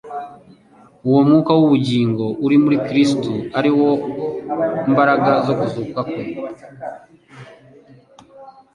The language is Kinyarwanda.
Uwo mwuka w’ubugingo uri muri Kristo, ari wo “mbaraga zo kuzuka kwe,”